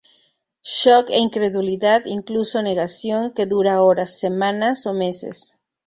Shock e incredulidad, incluso negación, que dura horas, semanas o meses.